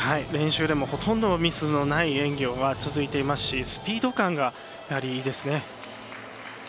練習でもほとんどミスのない演技続いていますし、スピード感がやはり、いいですね。